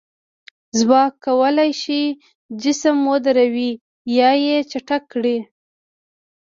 ځواک کولی شي جسم ودروي یا یې چټک کړي.